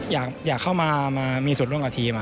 อยากเข้ามามีส่วนร่วมกับทีม